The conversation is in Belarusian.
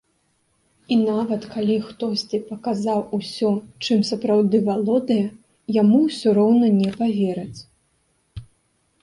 І нават калі хтосьці паказаў усё, чым сапраўды валодае, яму ўсё роўна не павераць.